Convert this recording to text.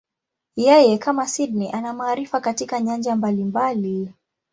Yeye, kama Sydney, ana maarifa katika nyanja mbalimbali.